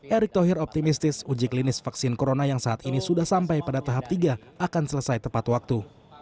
erick thohir optimistis uji klinis vaksin corona yang saat ini sudah sampai pada tahap tiga akan selesai tepat waktu